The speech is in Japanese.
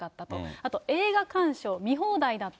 あと映画鑑賞、見放題だった。